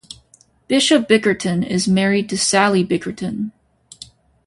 Bishop Bickerton is married to Sally Bickerton.